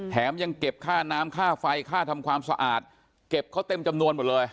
ยังเก็บค่าน้ำค่าไฟค่าทำความสะอาดเก็บเขาเต็มจำนวนหมดเลย